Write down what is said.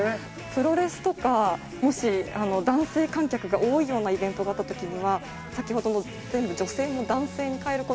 プロレスとかもし男性観客が多いようなイベントがあった時には先ほどの全部女性も男性に変える事ができますし。